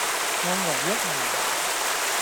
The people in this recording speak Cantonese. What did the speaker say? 我呆一呆